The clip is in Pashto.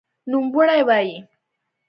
نوموړی وایي،